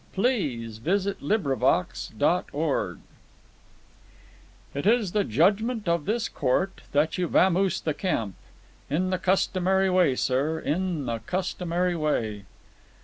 THE PASSING OF MARCUS O'BRIEN "It is the judgment of this court that you vamose the camp ... in the customary way, sir, in the customary way."